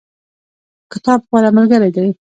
کتاب غوره ملګری دی